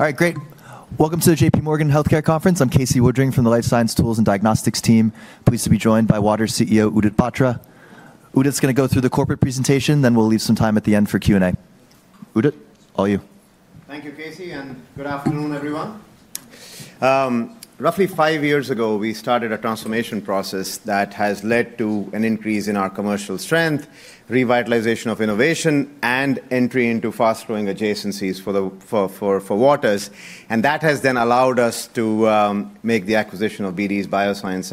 All right, great. Welcome to the JPMorgan Healthcare Conference. I'm Casey Woodring from the Life Science Tools and Diagnostics team, pleased to be joined by Waters CEO Udit Batra. Udit's going to go through the corporate presentation, then we'll leave some time at the end for Q&A. Udit, all you. Thank you, Casey, and good afternoon, everyone. Roughly five years ago, we started a transformation process that has led to an increase in our commercial strength, revitalization of innovation, and entry into fast-growing adjacencies for Waters. And that has then allowed us to make the acquisition of BD's Bioscience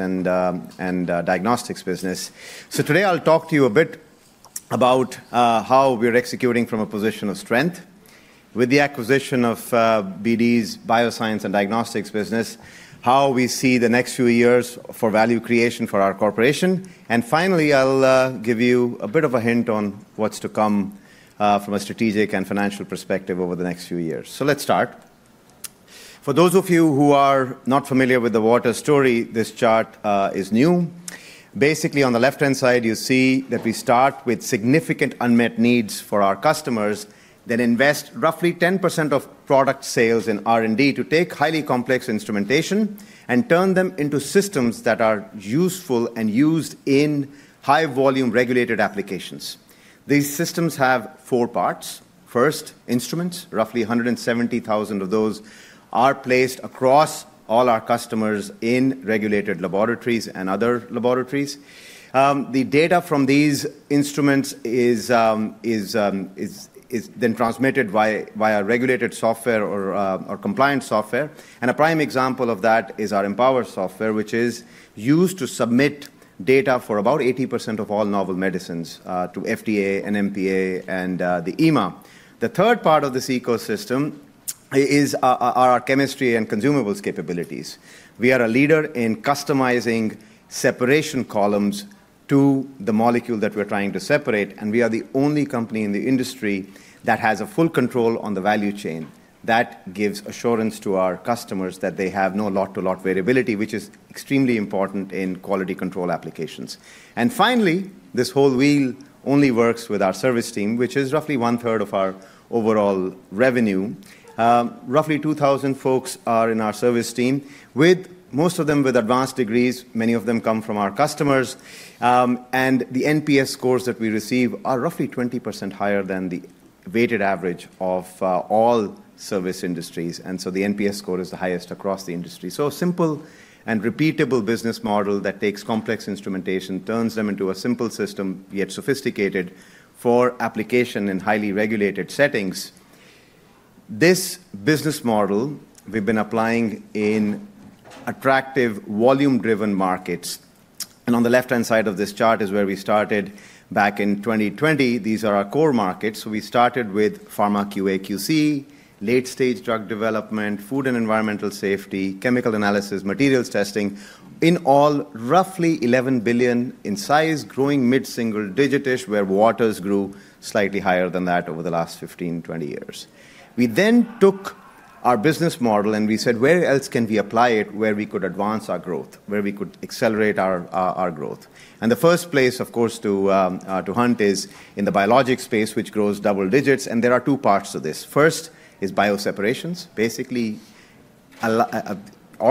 and Diagnostics business. So today, I'll talk to you a bit about how we're executing from a position of strength with the acquisition of BD's Bioscience and Diagnostics business, how we see the next few years for value creation for our corporation. And finally, I'll give you a bit of a hint on what's to come from a strategic and financial perspective over the next few years. So let's start. For those of you who are not familiar with the Waters story, this chart is new. Basically, on the left-hand side, you see that we start with significant unmet needs for our customers, then invest roughly 10% of product sales in R&D to take highly complex instrumentation and turn them into systems that are useful and used in high-volume regulated applications. These systems have four parts. First, instruments. Roughly 170,000 of those are placed across all our customers in regulated laboratories and other laboratories. The data from these instruments is then transmitted via regulated software or compliance software, and a prime example of that is our Empower software, which is used to submit data for about 80% of all novel medicines to FDA and NMPA and the EMA. The third part of this ecosystem is our chemistry and consumables capabilities. We are a leader in customizing separation columns to the molecule that we're trying to separate. And we are the only company in the industry that has full control on the value chain. That gives assurance to our customers that they have no lot-to-lot variability, which is extremely important in quality control applications. And finally, this whole wheel only works with our service team, which is roughly one-third of our overall revenue. Roughly 2,000 folks are in our service team, most of them with advanced degrees. Many of them come from our customers. And the NPS scores that we receive are roughly 20% higher than the weighted average of all service industries. And so the NPS score is the highest across the industry. So a simple and repeatable business model that takes complex instrumentation, turns them into a simple system yet sophisticated for application in highly regulated settings. This business model we've been applying in attractive volume-driven markets. And on the left-hand side of this chart is where we started back in 2020. These are our core markets. So we started with pharma QAQC, late-stage drug development, food and environmental safety, chemical analysis, materials testing, in all roughly $11 billion in size, growing mid-single digit-ish, where Waters grew slightly higher than that over the last 15, 20 years. We then took our business model and we said, where else can we apply it where we could advance our growth, where we could accelerate our growth? And the first place, of course, to hunt is in the biologics space, which grows double digits. And there are two parts to this. First is bioseparations, basically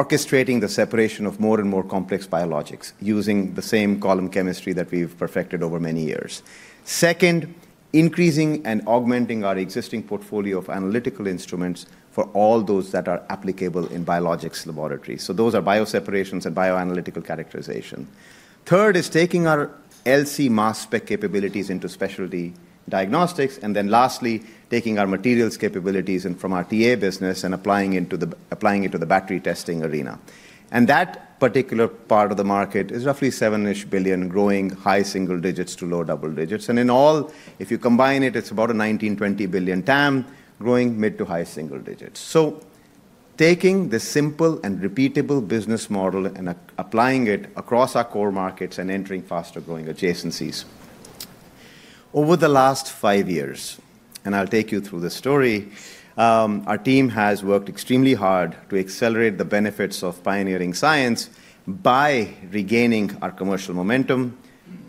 orchestrating the separation of more and more complex biologics using the same column chemistry that we've perfected over many years. Second, increasing and augmenting our existing portfolio of analytical instruments for all those that are applicable in biologics laboratories. So those are bioseparations and bioanalytical characterization. Third is taking our LC mass spec capabilities into specialty diagnostics. And then lastly, taking our materials capabilities from our TA business and applying it to the battery testing arena. And that particular part of the market is roughly $7 billion-ish growing high single digits to low double digits. And in all, if you combine it, it's about a $19-$20 billion TAM growing mid to high single digits. So taking this simple and repeatable business model and applying it across our core markets and entering faster-growing adjacencies. Over the last five years, and I'll take you through the story, our team has worked extremely hard to accelerate the benefits of pioneering science by regaining our commercial momentum,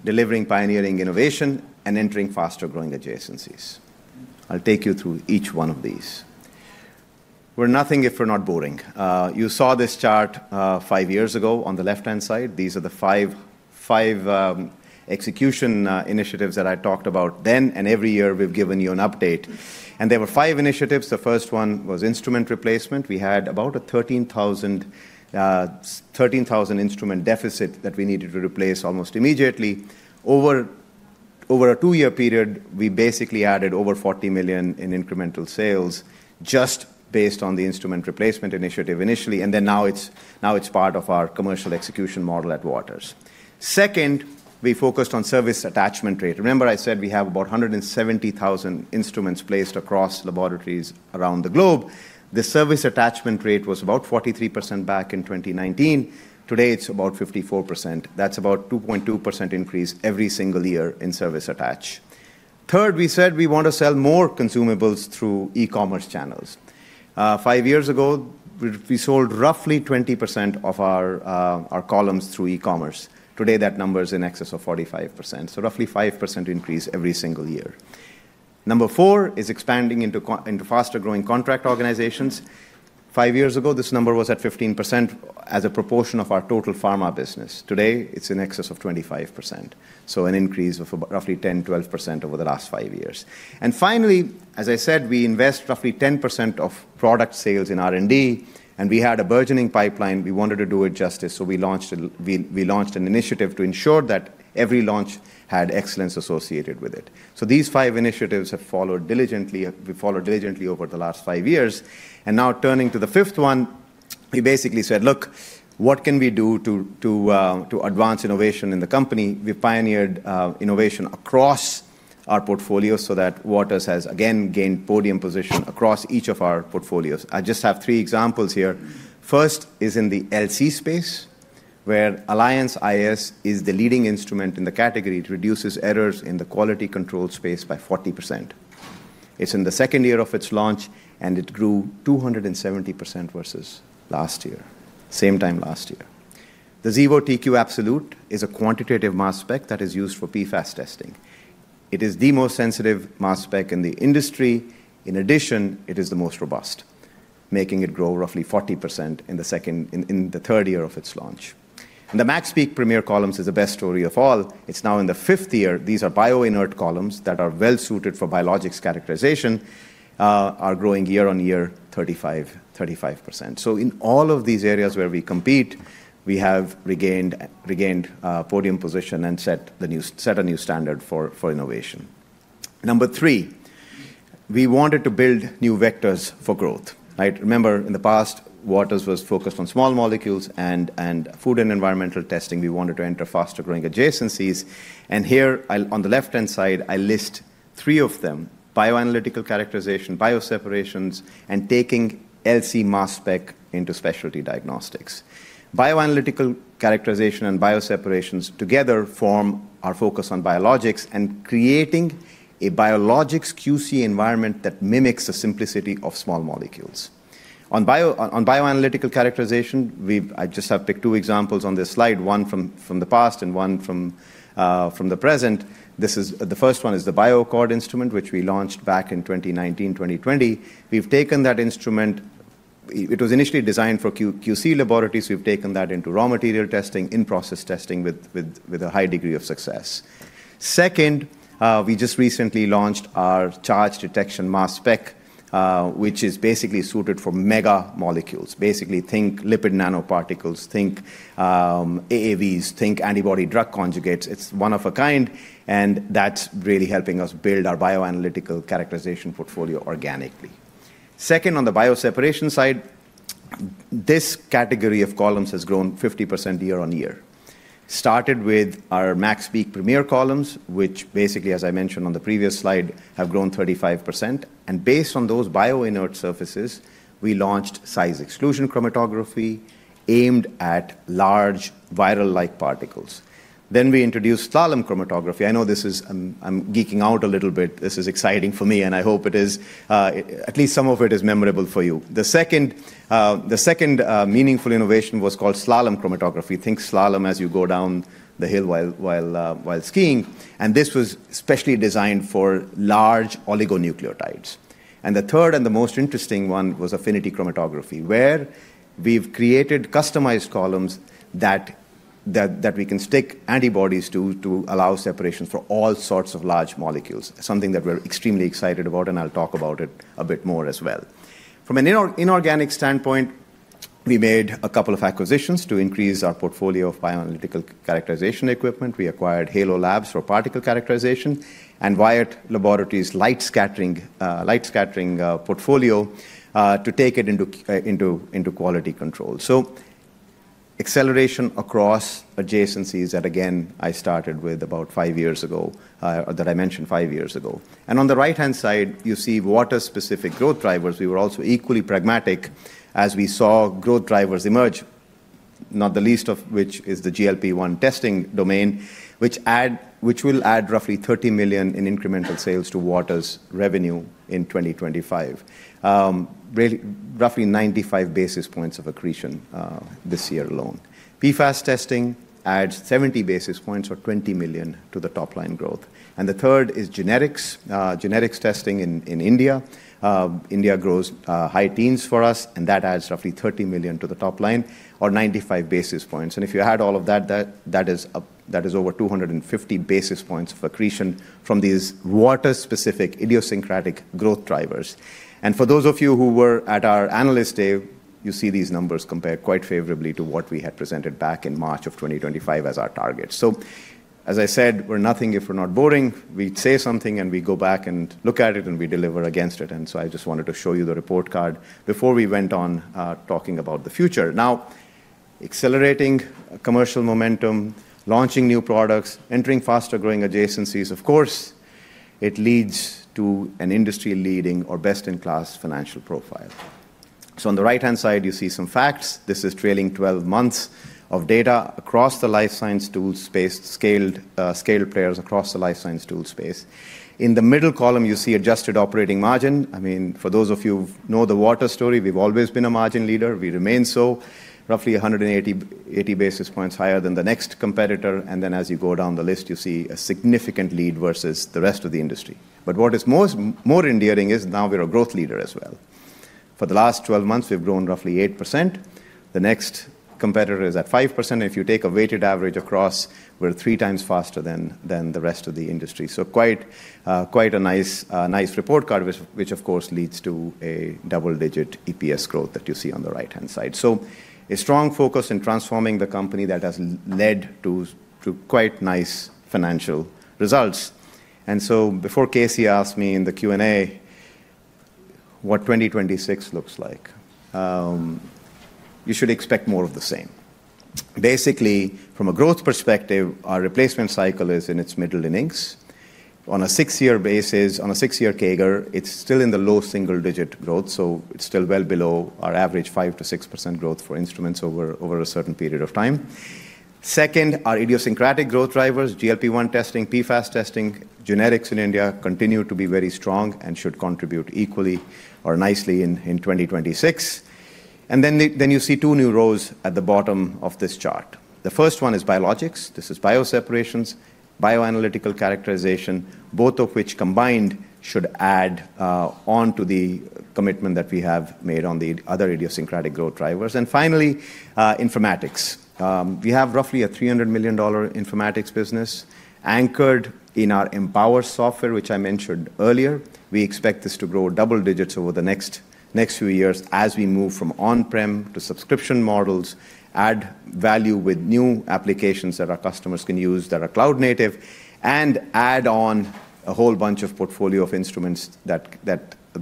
delivering pioneering innovation, and entering faster-growing adjacencies. I'll take you through each one of these. We're nothing if we're not boring. You saw this chart five years ago on the left-hand side. These are the five execution initiatives that I talked about then. And every year, we've given you an update. And there were five initiatives. The first one was instrument replacement. We had about a 13,000 instrument deficit that we needed to replace almost immediately. Over a two-year period, we basically added over $40 million in incremental sales just based on the instrument replacement initiative initially. And then now it's part of our commercial execution model at Waters. Second, we focused on service attachment rate. Remember, I said we have about 170,000 instruments placed across laboratories around the globe. The service attachment rate was about 43% back in 2019. Today, it's about 54%. That's about a 2.2% increase every single year in service attach. Third, we said we want to sell more consumables through e-commerce channels. Five years ago, we sold roughly 20% of our columns through e-commerce. Today, that number is in excess of 45%. So roughly 5% increase every single year. Number four is expanding into faster-growing contract organizations. Five years ago, this number was at 15% as a proportion of our total pharma business. Today, it's in excess of 25%. So an increase of roughly 10-12% over the last five years. And finally, as I said, we invest roughly 10% of product sales in R&D. And we had a burgeoning pipeline. We wanted to do it justice. So we launched an initiative to ensure that every launch had excellence associated with it. So these five initiatives have followed diligently. We've followed diligently over the last five years. And now turning to the fifth one, we basically said, look, what can we do to advance innovation in the company? We pioneered innovation across our portfolio so that Waters has, again, gained podium position across each of our portfolios. I just have three examples here. First is in the LC space, where Alliance iS is the leading instrument in the category. It reduces errors in the quality control space by 40%. It's in the second year of its launch, and it grew 270% versus last year, same time last year. The Xevo TQ Absolute is a quantitative mass spec that is used for PFAS testing. It is the most sensitive mass spec in the industry. In addition, it is the most robust, making it grow roughly 40% in the third year of its launch. The MaxPeak Premier columns is the best story of all. It's now in the fifth year. These are bio-inert columns that are well-suited for biologics characterization, are growing year on year 35%. So in all of these areas where we compete, we have regained podium position and set a new standard for innovation. Number 3, we wanted to build new vectors for growth. Remember, in the past, Waters was focused on small molecules. And food and environmental testing, we wanted to enter faster-growing adjacencies. And here, on the left-hand side, I list three of them: bioanalytical characterization, bioseparations, and taking LC mass spec into specialty diagnostics. Bioanalytical characterization and bioseparations together form our focus on biologics and creating a biologics QC environment that mimics the simplicity of small molecules. On bioanalytical characterization, I just have picked two examples on this slide, one from the past and one from the present. The first one is the BioAccord instrument, which we launched back in 2019, 2020. We've taken that instrument. It was initially designed for QC laboratories. We've taken that into raw material testing, in-process testing with a high degree of success. Second, we just recently launched our charge detection mass spec, which is basically suited for mega molecules. Basically, think lipid nanoparticles, think AAVs, think antibody drug conjugates. It's one of a kind. And that's really helping us build our bioanalytical characterization portfolio organically. Second, on the bioseparation side, this category of columns has grown 50% year on year. Started with our MaxPeak Premier columns, which basically, as I mentioned on the previous slide, have grown 35%. Based on those bioinert surfaces, we launched size exclusion chromatography aimed at large viral-like particles. Then we introduced slalom chromatography. I know this is. I'm geeking out a little bit. This is exciting for me, and I hope it is. At least some of it is memorable for you. The second meaningful innovation was called slalom chromatography. Think slalom as you go down the hill while skiing. This was especially designed for large oligonucleotides. The third and the most interesting one was affinity chromatography, where we've created customized columns that we can stick antibodies to to allow separation for all sorts of large molecules, something that we're extremely excited about. I'll talk about it a bit more as well. From an inorganic standpoint, we made a couple of acquisitions to increase our portfolio of bioanalytical characterization equipment. We acquired Halo Labs for particle characterization and Wyatt Laboratories' light scattering portfolio to take it into quality control. Acceleration across adjacencies that, again, I started with about five years ago or that I mentioned five years ago. On the right-hand side, you see Waters-specific growth drivers. We were also equally pragmatic as we saw growth drivers emerge, not the least of which is the GLP-1 testing domain, which will add roughly $30 million in incremental sales to Waters' revenue in 2025, roughly 95 basis points of accretion this year alone. PFAS testing adds 70 basis points or $20 million to the top-line growth. The third is generics testing in India. India grows high teens for us, and that adds roughly $30 million to the top line or 95 basis points. And if you add all of that, that is over 250 basis points of accretion from these Waters-specific idiosyncratic growth drivers. And for those of you who were at our analyst day, you see these numbers compared quite favorably to what we had presented back in March of 2025 as our target. So as I said, we're nothing if we're not boring. We say something, and we go back and look at it, and we deliver against it. And so I just wanted to show you the report card before we went on talking about the future. Now, accelerating commercial momentum, launching new products, entering faster-growing adjacencies, of course, it leads to an industry-leading or best-in-class financial profile. So on the right-hand side, you see some facts. This is trailing 12 months of data across the life science tool space, scaled players across the life science tool space. In the middle column, you see adjusted operating margin. I mean, for those of you who know the Waters story, we've always been a margin leader. We remain so, roughly 180 basis points higher than the next competitor. And then as you go down the list, you see a significant lead versus the rest of the industry. But what is more endearing is now we're a growth leader as well. For the last 12 months, we've grown roughly 8%. The next competitor is at 5%. And if you take a weighted average across, we're three times faster than the rest of the industry. So quite a nice report card, which, of course, leads to a double-digit EPS growth that you see on the right-hand side. So a strong focus in transforming the company that has led to quite nice financial results. And so before Casey asked me in the Q&A what 2026 looks like, you should expect more of the same. Basically, from a growth perspective, our replacement cycle is in its middle innings. On a six-year basis, on a six-year CAGR, it's still in the low single-digit growth. So it's still well below our average 5%-6% growth for instruments over a certain period of time. Second, our idiosyncratic growth drivers, GLP-1 testing, PFAS testing, generics in India continue to be very strong and should contribute equally or nicely in 2026. And then you see two new rows at the bottom of this chart. The first one is biologics. This is bioseparations, bioanalytical characterization, both of which combined should add on to the commitment that we have made on the other idiosyncratic growth drivers. And finally, informatics. We have roughly a $300 million informatics business anchored in our Empower software, which I mentioned earlier. We expect this to grow double digits over the next few years as we move from on-prem to subscription models, add value with new applications that our customers can use that are cloud native, and add on a whole bunch of portfolio of instruments that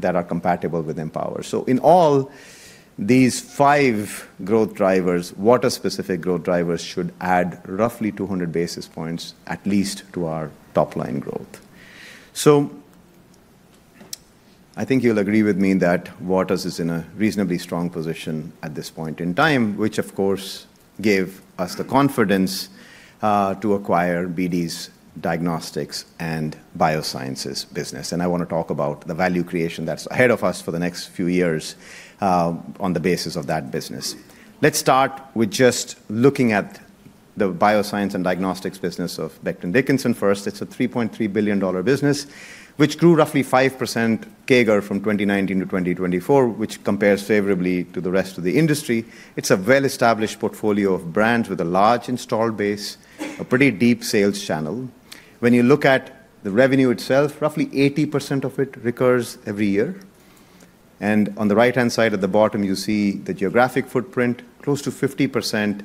are compatible with Empower, so in all, these five growth drivers, Waters-specific growth drivers should add roughly 200 basis points at least to our top-line growth, so I think you'll agree with me that Waters is in a reasonably strong position at this point in time, which, of course, gave us the confidence to acquire BD's diagnostics and biosciences business, and I want to talk about the value creation that's ahead of us for the next few years on the basis of that business. Let's start with just looking at the bioscience and diagnostics business of Becton Dickinson first. It's a $3.3 billion business, which grew roughly 5% CAGR from 2019 to 2024, which compares favorably to the rest of the industry. It's a well-established portfolio of brands with a large installed base, a pretty deep sales channel. When you look at the revenue itself, roughly 80% of it recurs every year, and on the right-hand side at the bottom, you see the geographic footprint. Close to 50%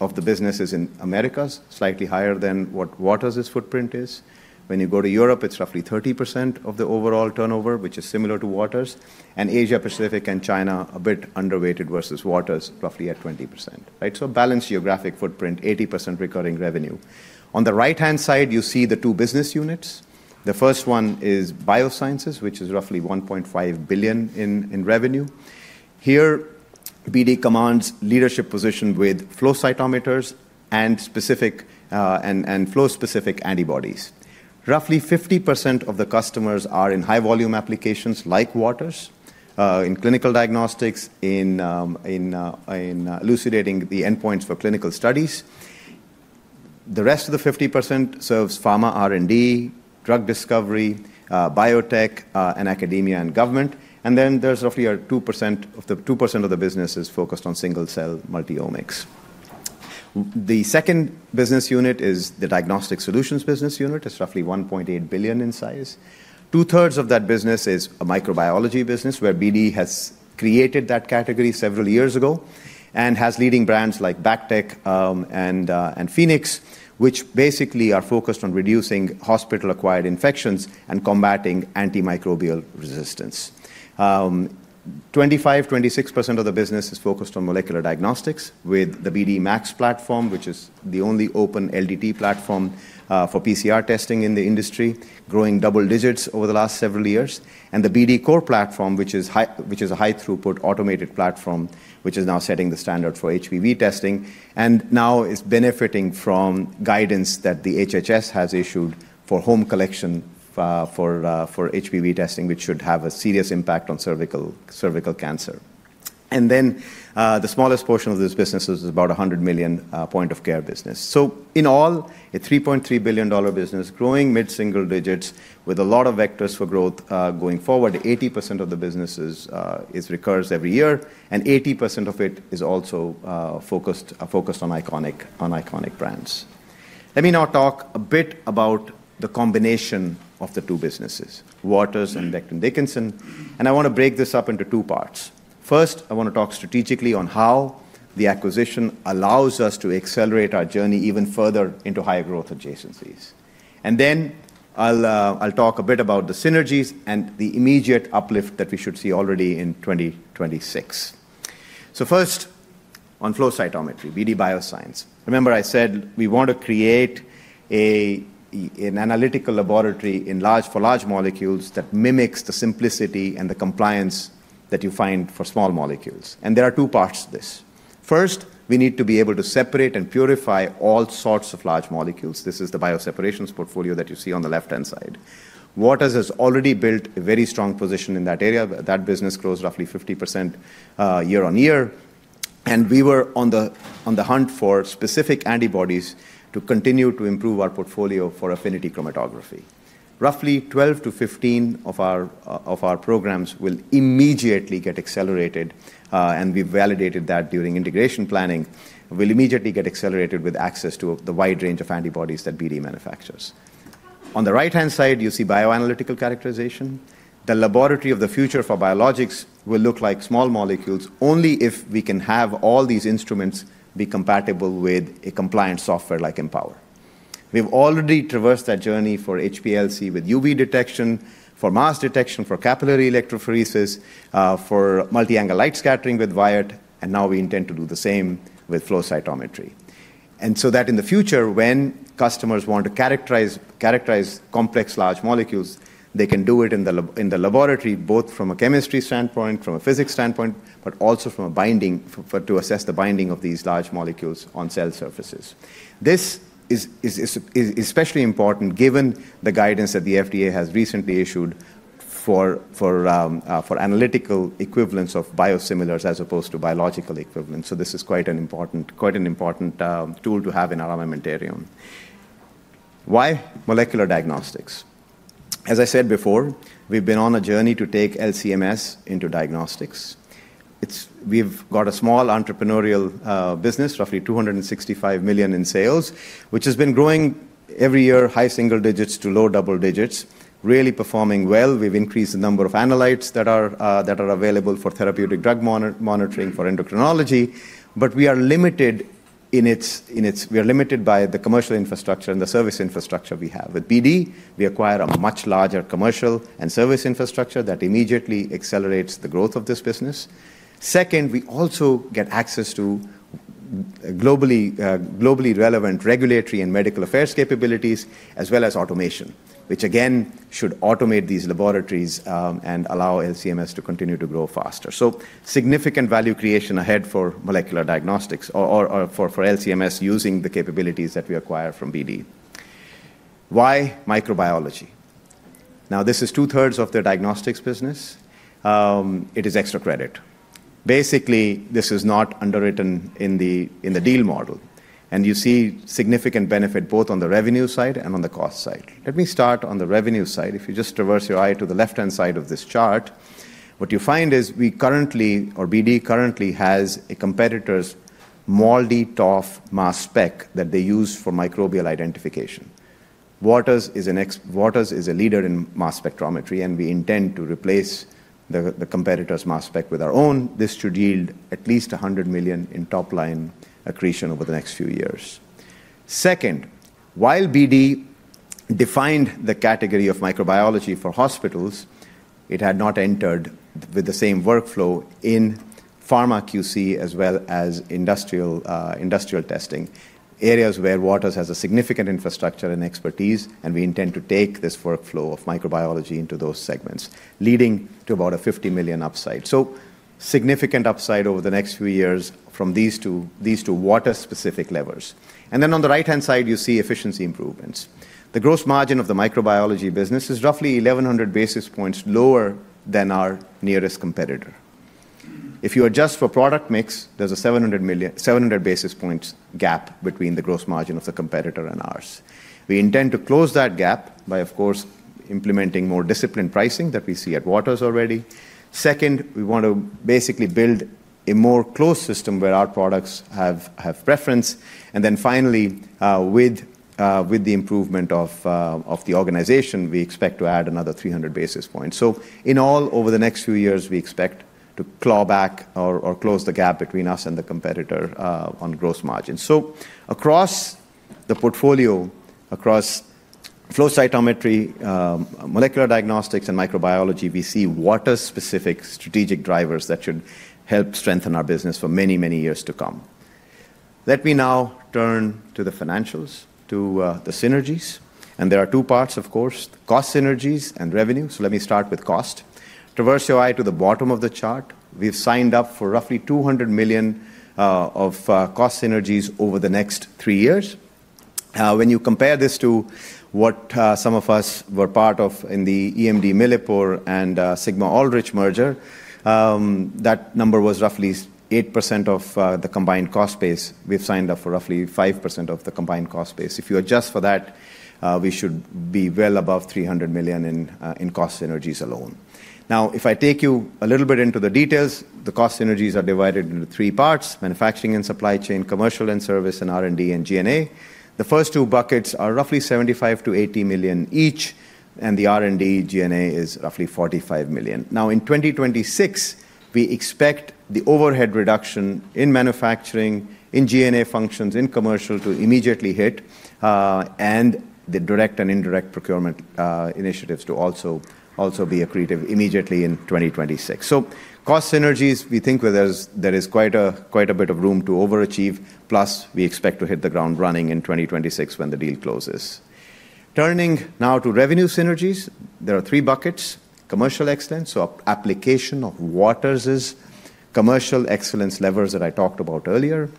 of the business is in Americas, slightly higher than what Waters' footprint is. When you go to Europe, it's roughly 30% of the overall turnover, which is similar to Waters, and Asia-Pacific and China a bit underweighted versus Waters, roughly at 20%, so balanced geographic footprint, 80% recurring revenue. On the right-hand side, you see the two business units. The first one is biosciences, which is roughly $1.5 billion in revenue. Here, BD commands leadership position with flow cytometers and flow-specific antibodies. Roughly 50% of the customers are in high-volume applications like Waters in clinical diagnostics, in elucidating the endpoints for clinical studies. The rest of the 50% serves pharma R&D, drug discovery, biotech, and academia and government, and then there's roughly 2% of the business is focused on single-cell multi-omics. The second business unit is the diagnostic solutions business unit. It's roughly $1.8 billion in size. Two-thirds of that business is a microbiology business where BD has created that category several years ago and has leading brands like BACTEC and Phoenix, which basically are focused on reducing hospital-acquired infections and combating antimicrobial resistance. 25%, 26% of the business is focused on molecular diagnostics with the BD MAX platform, which is the only open LDT platform for PCR testing in the industry, growing double digits over the last several years. And the BD COR platform, which is a high-throughput automated platform, which is now setting the standard for HPV testing and now is benefiting from guidance that the HHS has issued for home collection for HPV testing, which should have a serious impact on cervical cancer. And then the smallest portion of this business is about a $100 million point-of-care business. So in all, a $3.3 billion business, growing mid-single digits with a lot of vectors for growth going forward. 80% of the business recurs every year, and 80% of it is also focused on iconic brands. Let me now talk a bit about the combination of the two businesses, Waters and Becton Dickinson. And I want to break this up into two parts. First, I want to talk strategically on how the acquisition allows us to accelerate our journey even further into high-growth adjacencies. And then I'll talk a bit about the synergies and the immediate uplift that we should see already in 2026. So first, on flow cytometry, BD Biosciences. Remember, I said we want to create an analytical laboratory for large molecules that mimics the simplicity and the compliance that you find for small molecules. And there are two parts to this. First, we need to be able to separate and purify all sorts of large molecules. This is the bioseparations portfolio that you see on the left-hand side. Waters has already built a very strong position in that area. That business grows roughly 50% year on year. And we were on the hunt for specific antibodies to continue to improve our portfolio for affinity chromatography. Roughly 12 to 15 of our programs will immediately get accelerated, and we validated that during integration planning. We'll immediately get accelerated with access to the wide range of antibodies that BD manufactures. On the right-hand side, you see bioanalytical characterization. The laboratory of the future for biologics will look like small molecules only if we can have all these instruments be compatible with a compliant software like Empower. We've already traversed that journey for HPLC with UV detection, for mass detection, for capillary electrophoresis, for multi-angle light scattering with Wyatt, and now we intend to do the same with flow cytometry. And so that in the future, when customers want to characterize complex large molecules, they can do it in the laboratory, both from a chemistry standpoint, from a physics standpoint, but also to assess the binding of these large molecules on cell surfaces. This is especially important given the guidance that the FDA has recently issued for analytical equivalents of biosimilars as opposed to biological equivalents. So this is quite an important tool to have in our armamentarium. Why molecular diagnostics? As I said before, we've been on a journey to take LC-MS into diagnostics. We've got a small entrepreneurial business, roughly $265 million in sales, which has been growing every year, high single digits to low double digits, really performing well. We've increased the number of analytes that are available for therapeutic drug monitoring for endocrinology. But we are limited by the commercial infrastructure and the service infrastructure we have. With BD, we acquire a much larger commercial and service infrastructure that immediately accelerates the growth of this business. Second, we also get access to globally relevant regulatory and medical affairs capabilities, as well as automation, which, again, should automate these laboratories and allow LCMS to continue to grow faster. So significant value creation ahead for molecular diagnostics or for LCMS using the capabilities that we acquire from BD. Why microbiology? Now, this is two-thirds of the diagnostics business. It is extra credit. Basically, this is not underwritten in the deal model. And you see significant benefit both on the revenue side and on the cost side. Let me start on the revenue side. If you just traverse your eye to the left-hand side of this chart, what you find is BD currently has a competitor's MALDI-TOF mass spec that they use for microbial identification. Waters is a leader in mass spectrometry, and we intend to replace the competitor's mass spec with our own. This should yield at least $100 million in top-line accretion over the next few years. Second, while BD defined the category of microbiology for hospitals, it had not entered with the same workflow in pharma QC as well as industrial testing, areas where Waters has a significant infrastructure and expertise, and we intend to take this workflow of microbiology into those segments, leading to about a $50 million upside. So significant upside over the next few years from these two Waters-specific levers. And then on the right-hand side, you see efficiency improvements. The gross margin of the microbiology business is roughly 1,100 basis points lower than our nearest competitor. If you adjust for product mix, there's a 700 basis points gap between the gross margin of the competitor and ours. We intend to close that gap by, of course, implementing more disciplined pricing that we see at Waters already. Second, we want to basically build a more closed system where our products have preference. And then finally, with the improvement of the organization, we expect to add another 300 basis points. So in all, over the next few years, we expect to claw back or close the gap between us and the competitor on gross margins. So across the portfolio, across flow cytometry, molecular diagnostics, and microbiology, we see Waters-specific strategic drivers that should help strengthen our business for many, many years to come. Let me now turn to the financials, to the synergies. And there are two parts, of course, cost synergies and revenue. So let me start with cost. Traverse your eye to the bottom of the chart. We've signed up for roughly $200 million of cost synergies over the next three years. When you compare this to what some of us were part of in the EMD Millipore and Sigma-Aldrich merger, that number was roughly 8% of the combined cost base. We've signed up for roughly 5% of the combined cost base. If you adjust for that, we should be well above $300 million in cost synergies alone. Now, if I take you a little bit into the details, the cost synergies are divided into three parts: manufacturing and supply chain, commercial and service, and R&D and G&A. The first two buckets are roughly $75-$80 million each, and the R&D/GNA is roughly $45 million. Now, in 2026, we expect the overhead reduction in manufacturing, in GNA functions, in commercial to immediately hit, and the direct and indirect procurement initiatives to also be accretive immediately in 2026. So cost synergies, we think there is quite a bit of room to overachieve. Plus, we expect to hit the ground running in 2026 when the deal closes. Turning now to revenue synergies, there are three buckets: commercial excellence, so application of Waters' commercial excellence levers that I talked about earlier.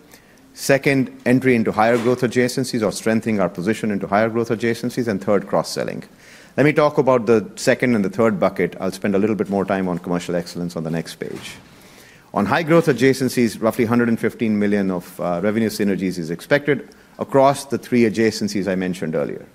Second, entry into higher growth adjacencies or strengthening our position into higher growth adjacencies. And third, cross-selling. Let me talk about the second and the third bucket. I'll spend a little bit more time on commercial excellence on the next page. On high-growth adjacencies, roughly $115 million of revenue synergies is expected across the three adjacencies I mentioned earlier.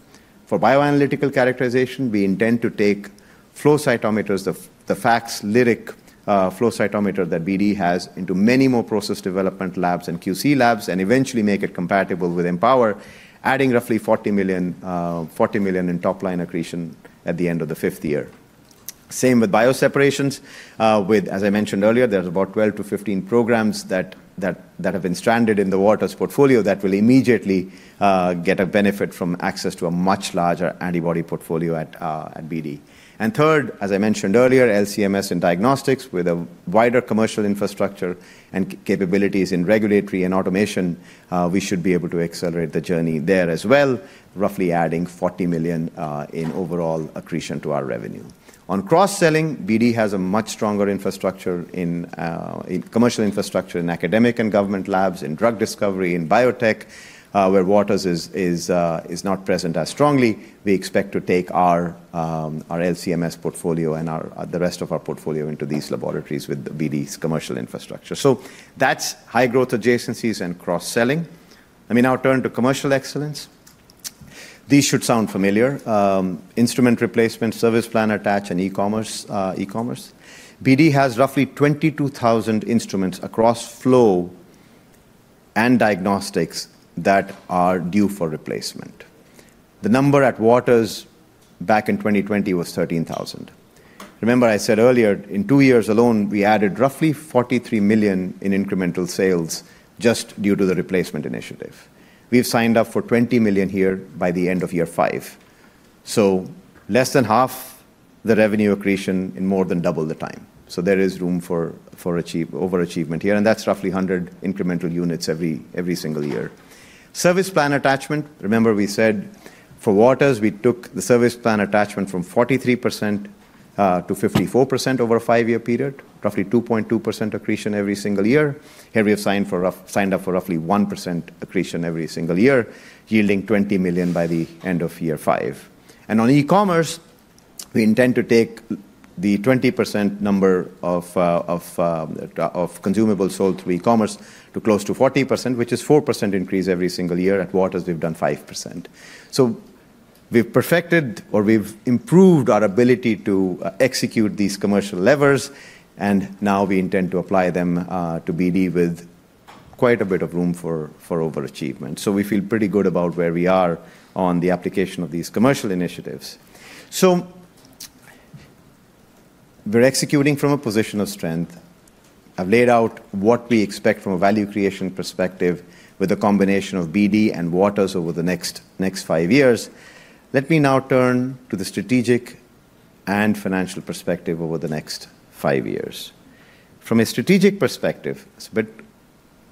For bioanalytical characterization, we intend to take flow cytometers, the FACSLyric flow cytometer that BD has, into many more process development labs and QC labs and eventually make it compatible with Empower, adding roughly $40 million in top-line accretion at the end of the fifth year. Same with bioseparations. As I mentioned earlier, there's about 12 to 15 programs that have been stranded in the Waters portfolio that will immediately get a benefit from access to a much larger antibody portfolio at BD. And third, as I mentioned earlier, LC-MS and diagnostics with a wider commercial infrastructure and capabilities in regulatory and automation, we should be able to accelerate the journey there as well, roughly adding $40 million in overall accretion to our revenue. On cross-selling, BD has a much stronger infrastructure in commercial infrastructure in academic and government labs, in drug discovery, in biotech, where Waters is not present as strongly. We expect to take our LC-MS portfolio and the rest of our portfolio into these laboratories with BD's commercial infrastructure. So that's high-growth adjacencies and cross-selling. Let me now turn to commercial excellence. These should sound familiar: instrument replacement, service plan attach, and e-commerce. BD has roughly 22,000 instruments across flow and diagnostics that are due for replacement. The number at Waters back in 2020 was 13,000. Remember, I said earlier, in two years alone, we added roughly $43 million in incremental sales just due to the replacement initiative. We've signed up for $20 million here by the end of year five. So less than half the revenue accretion in more than double the time. So there is room for overachievement here. And that's roughly 100 incremental units every single year. Service plan attachment, remember, we said for Waters, we took the service plan attachment from 43% to 54% over a five-year period, roughly 2.2% accretion every single year. Here, we have signed up for roughly 1% accretion every single year, yielding $20 million by the end of year five. And on e-commerce, we intend to take the 20% number of consumables sold through e-commerce to close to 40%, which is a 4% increase every single year. At Waters, we've done 5%. So we've perfected or we've improved our ability to execute these commercial levers, and now we intend to apply them to BD with quite a bit of room for overachievement. So we feel pretty good about where we are on the application of these commercial initiatives. So we're executing from a position of strength. I've laid out what we expect from a value creation perspective with a combination of BD and Waters over the next five years. Let me now turn to the strategic and financial perspective over the next five years. From a strategic perspective, it's a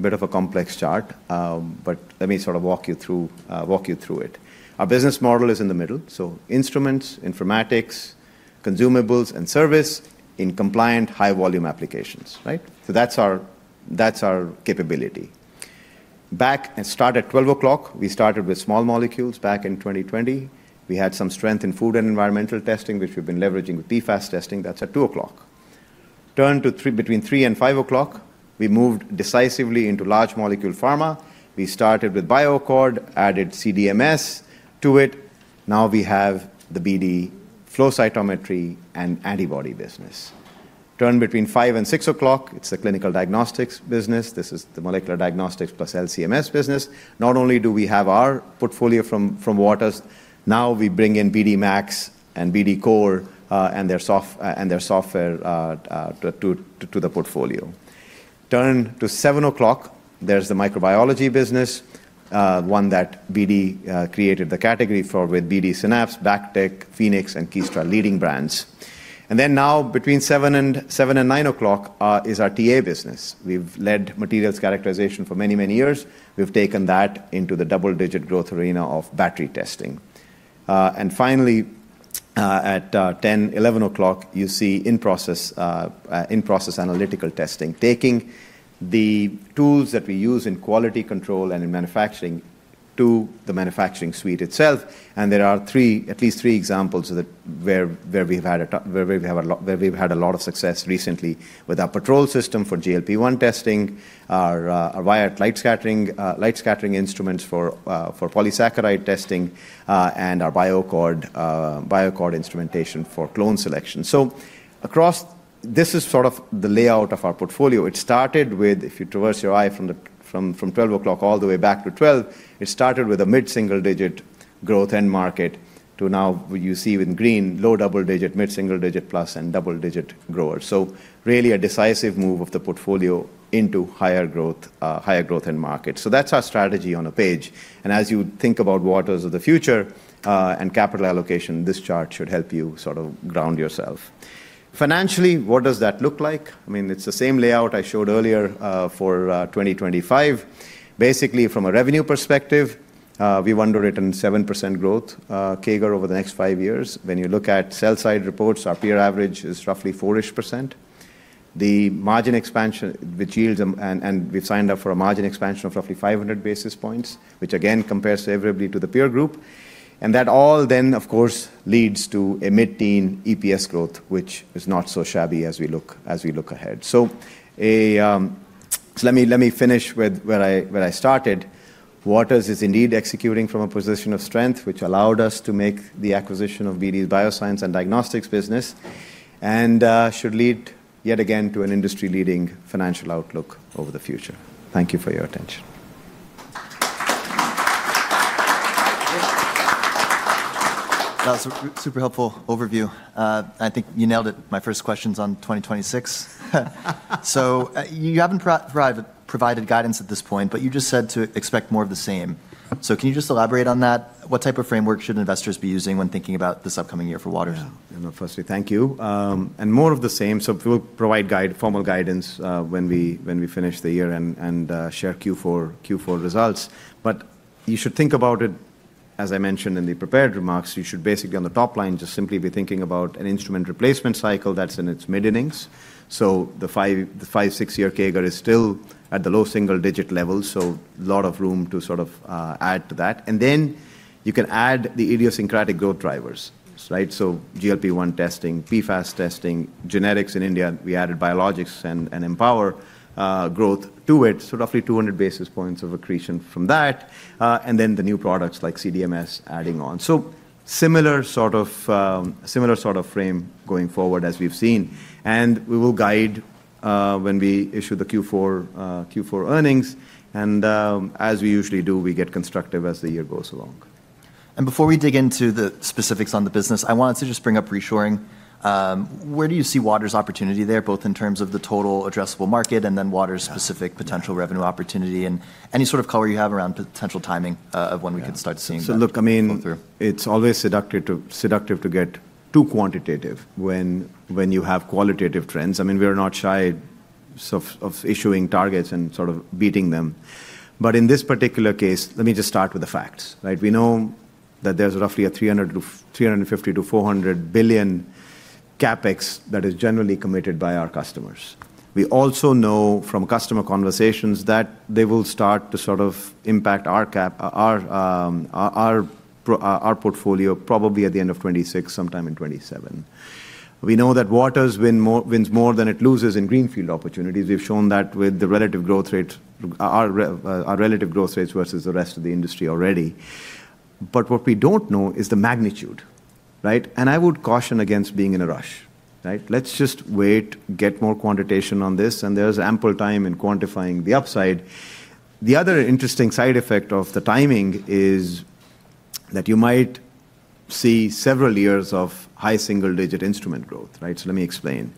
bit of a complex chart, but let me sort of walk you through it. Our business model is in the middle. So instruments, informatics, consumables, and service in compliant high-volume applications, right? So that's our capability. Back and start at 12 o'clock, we started with small molecules back in 2020. We had some strength in food and environmental testing, which we've been leveraging with PFAS testing. That's at 2 o'clock. Turned to between 3 and 5 o'clock, we moved decisively into large molecule pharma. We started with BioAccord, added CDMS to it. Now we have the BD flow cytometry and antibody business. to between five and six o'clock, it's the clinical diagnostics business. This is the molecular diagnostics plus LC-MS business. Not only do we have our portfolio from Waters, now we bring in BD MAX and BD COR and their software to the portfolio. Turn to seven o'clock, there's the microbiology business, one that BD created the category for with BD Synapsys, BD BACTEC, BD Phoenix, and BD Kiestra, leading brands. And then now between seven and nine o'clock is our TA business. We've led materials characterization for many, many years. We've taken that into the double-digit growth arena of battery testing. And finally, at 10, 11 o'clock, you see in-process analytical testing, taking the tools that we use in quality control and in manufacturing to the manufacturing suite itself. There are at least three examples where we've had a lot of success recently with our Patrol system for GLP-1 testing, our Wyatt light scattering instruments for polysaccharide testing, and our BioAccord instrumentation for clone selection. So this is sort of the layout of our portfolio. It started with, if you traverse your eye from 12 o'clock all the way back to 12, it started with a mid-single-digit growth end market to now you see with green, low double-digit, mid-single-digit plus, and double-digit growers. So really a decisive move of the portfolio into higher growth end market. So that's our strategy on a page. And as you think about Waters of the future and capital allocation, this chart should help you sort of ground yourself. Financially, what does that look like? I mean, it's the same layout I showed earlier for 2025. Basically, from a revenue perspective, we're guiding to a 7% growth CAGR over the next five years. When you look at sell-side reports, our peer average is roughly 4-ish%. The margin expansion, which yields, and we've signed up for a margin expansion of roughly 500 basis points, which again compares favorably to the peer group. And that all then, of course, leads to a mid-teen EPS growth, which is not so shabby as we look ahead. Let me finish with where I started. Waters is indeed executing from a position of strength, which allowed us to make the acquisition of BD's bioscience and diagnostics business and should lead yet again to an industry-leading financial outlook over the future. Thank you for your attention. That was a super helpful overview. I think you nailed it. My first question's on 2026. So you haven't provided guidance at this point, but you just said to expect more of the same. So can you just elaborate on that? What type of framework should investors be using when thinking about this upcoming year for Waters? No, no. Firstly, thank you. And more of the same. So we'll provide formal guidance when we finish the year and share Q4 results. But you should think about it, as I mentioned in the prepared remarks, you should basically, on the top line, just simply be thinking about an instrument replacement cycle that's in its mid-innings. So the five, six-year CAGR is still at the low single-digit level, so a lot of room to sort of add to that. And then you can add the idiosyncratic growth drivers, right? So GLP-1 testing, PFAS testing, generics in India. We added biologics and Empower growth to it, so roughly 200 basis points of accretion from that, and then the new products like CDMS adding on, so similar sort of frame going forward as we've seen, and we will guide when we issue the Q4 earnings, and as we usually do, we get constructive as the year goes along, and before we dig into the specifics on the business, I wanted to just bring up reshoring. Where do you see Waters' opportunity there, both in terms of the total addressable market and then Waters' specific potential revenue opportunity and any sort of color you have around potential timing of when we could start seeing that? So look, I mean, it's always seductive to get too quantitative when you have qualitative trends, I mean, we're not shy of issuing targets and sort of beating them. But in this particular case, let me just start with the facts, right? We know that there's roughly a $350 billion-$400 billion CapEx that is generally committed by our customers. We also know from customer conversations that they will start to sort of impact our portfolio probably at the end of 2026, sometime in 2027. We know that Waters wins more than it loses in greenfield opportunities. We've shown that with the relative growth rates, our relative growth rates versus the rest of the industry already. But what we don't know is the magnitude, right? And I would caution against being in a rush, right? Let's just wait, get more quantitation on this, and there's ample time in quantifying the upside. The other interesting side effect of the timing is that you might see several years of high single-digit instrument growth, right? So let me explain.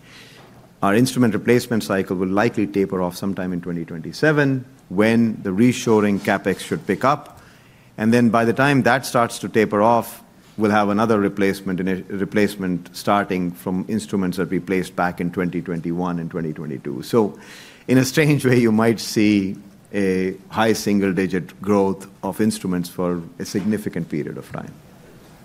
Our instrument replacement cycle will likely taper off sometime in 2027 when the reshoring CapEx should pick up. And then by the time that starts to taper off, we'll have another replacement starting from instruments that we placed back in 2021 and 2022. So in a strange way, you might see a high single-digit growth of instruments for a significant period of time.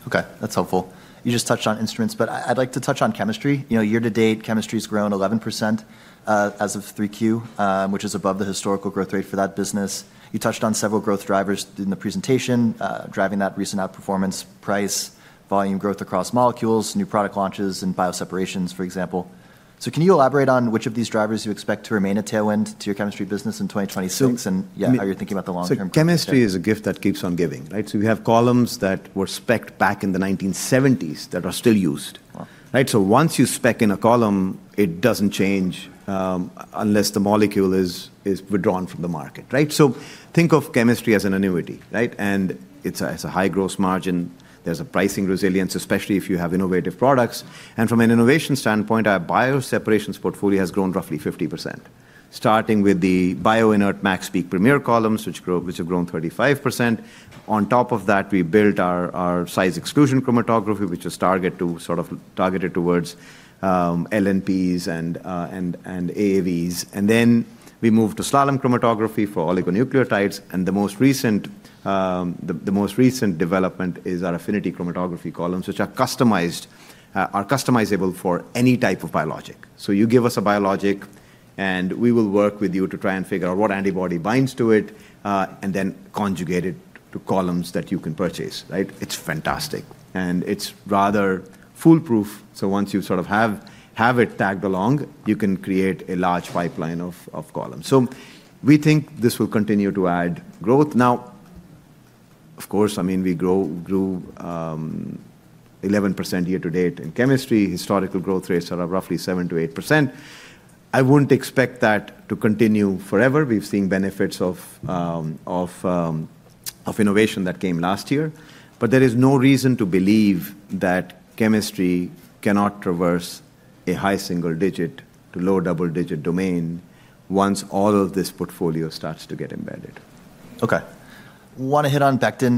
Okay. That's helpful. You just touched on instruments, but I'd like to touch on chemistry. Year to date, chemistry has grown 11% as of 3Q, which is above the historical growth rate for that business. You touched on several growth drivers in the presentation, driving that recent outperformance: price, volume growth across molecules, new product launches, and bioseparations, for example. So can you elaborate on which of these drivers you expect to remain a tailwind to your chemistry business in 2026 and, yeah, how you're thinking about the long-term? Chemistry is a gift that keeps on giving, right? So you have columns that were specced back in the 1970s that are still used, right? So once you spec in a column, it doesn't change unless the molecule is withdrawn from the market, right? So think of chemistry as an annuity, right? And it's a high gross margin. There's a pricing resilience, especially if you have innovative products. And from an innovation standpoint, our bioseparations portfolio has grown roughly 50%, starting with the bio-inert MaxPeak Premier columns, which have grown 35%. On top of that, we built our size exclusion chromatography, which is targeted towards LNPs and AAVs. And then we moved to slalom chromatography for oligonucleotides. And the most recent development is our affinity chromatography columns, which are customizable for any type of biologic. So you give us a biologic, and we will work with you to try and figure out what antibody binds to it and then conjugate it to columns that you can purchase, right? It's fantastic. And it's rather foolproof. So once you sort of have it tagged along, you can create a large pipeline of columns. So we think this will continue to add growth. Now, of course, I mean, we grew 11% year to date in chemistry. Historical growth rates are roughly 7%-8%. I wouldn't expect that to continue forever. We've seen benefits of innovation that came last year. But there is no reason to believe that chemistry cannot traverse a high single-digit to low double-digit domain once all of this portfolio starts to get embedded. Okay. Want to hit on Becton.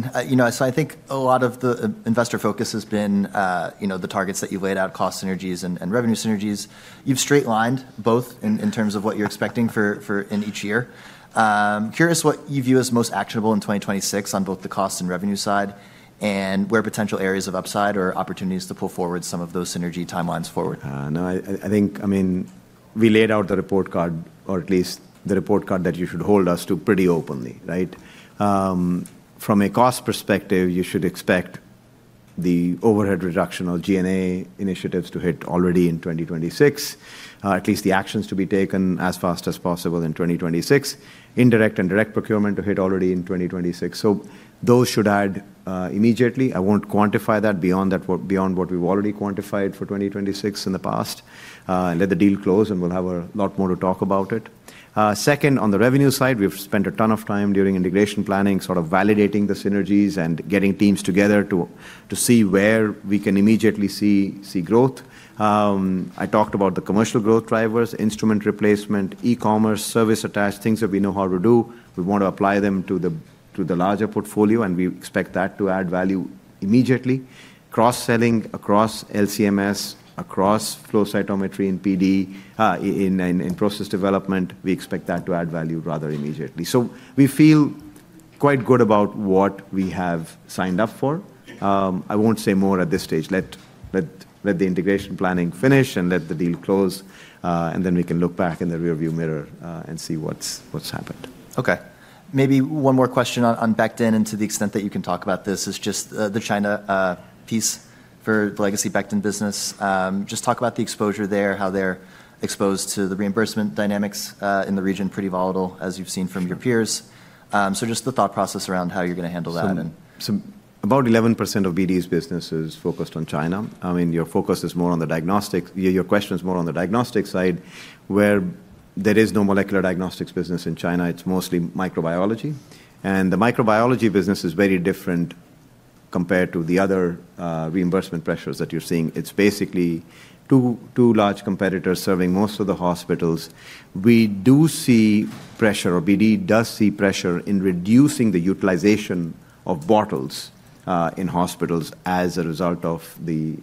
So I think a lot of the investor focus has been the targets that you've laid out, cost synergies and revenue synergies. You've straight-lined both in terms of what you're expecting in each year. Curious what you view as most actionable in 2026 on both the cost and revenue side and where potential areas of upside or opportunities to pull forward some of those synergy timelines forward. No, I think, I mean, we laid out the report card, or at least the report card that you should hold us to pretty openly, right? From a cost perspective, you should expect the overhead reduction of G&A initiatives to hit already in 2026, at least the actions to be taken as fast as possible in 2026, indirect and direct procurement to hit already in 2026. So those should add immediately. I won't quantify that beyond what we've already quantified for 2026 in the past. Let the deal close, and we'll have a lot more to talk about it. Second, on the revenue side, we've spent a ton of time during integration planning, sort of validating the synergies and getting teams together to see where we can immediately see growth. I talked about the commercial growth drivers, instrument replacement, e-commerce, service attached, things that we know how to do. We want to apply them to the larger portfolio, and we expect that to add value immediately. Cross-selling across LCMS, across flow cytometry in PD, in process development, we expect that to add value rather immediately. So we feel quite good about what we have signed up for. I won't say more at this stage. Let the integration planning finish and let the deal close, and then we can look back in the rearview mirror and see what's happened. Okay. Maybe one more question on Becton and to the extent that you can talk about this is just the China piece for the legacy Becton business. Just talk about the exposure there, how they're exposed to the reimbursement dynamics in the region, pretty volatile, as you've seen from your peers, so just the thought process around how you're going to handle that, so about 11% of BD's business is focused on China. I mean, your focus is more on the diagnostics. Your question is more on the diagnostic side, where there is no molecular diagnostics business in China. It's mostly microbiology. And the microbiology business is very different compared to the other reimbursement pressures that you're seeing. It's basically two large competitors serving most of the hospitals. We do see pressure, or BD does see pressure in reducing the utilization of bottles in hospitals as a result of the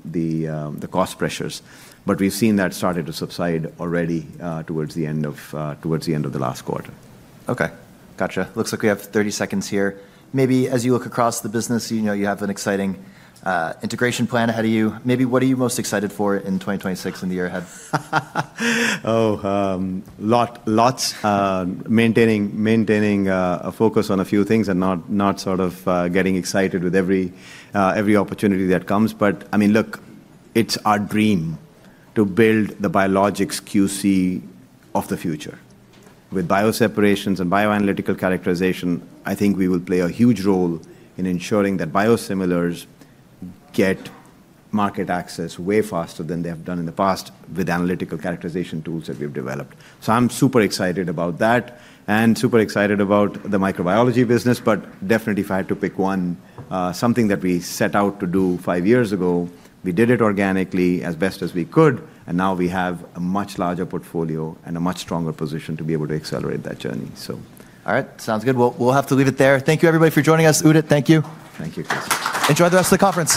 cost pressures. But we've seen that started to subside already towards the end of the last quarter. Okay. Gotcha. Looks like we have 30 seconds here. Maybe as you look across the business, you have an exciting integration plan ahead of you. Maybe what are you most excited for in 2026 and the year ahead? Oh, lots. Maintaining a focus on a few things and not sort of getting excited with every opportunity that comes. But I mean, look, it's our dream to build the biologics QC of the future. With bioseparations and bioanalytical characterization, I think we will play a huge role in ensuring that biosimilars get market access way faster than they have done in the past with analytical characterization tools that we've developed. So I'm super excited about that and super excited about the microbiology business. But definitely, if I had to pick one, something that we set out to do five years ago, we did it organically as best as we could, and now we have a much larger portfolio and a much stronger position to be able to accelerate that journey. So. All right. Sounds good. Well, we'll have to leave it there. Thank you, everybody, for joining us. Udit, thank you. Thank you. Enjoy the rest of the conference.